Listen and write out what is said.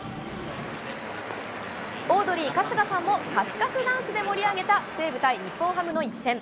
オードリー・春日さんもかすかすダンスで盛り上げた、西武対日本ハムの一戦。